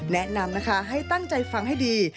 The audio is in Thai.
แนะนำนะคะให้ตั้งใจฟังให้ดี